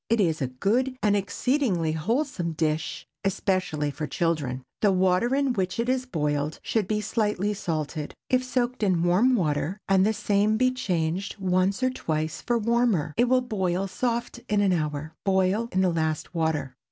It is a good and exceedingly wholesome dish, especially for children. The water in which it is boiled should be slightly salt. If soaked in warm water, and the same be changed once or twice for warmer, it will boil soft in an hour. Boil in the last water.